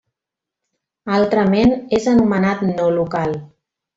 Altrament és anomenat no local.